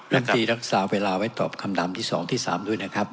ลำตีรักษาเวลาไว้ตอบคำถามที่๒ที่๓ด้วยนะครับ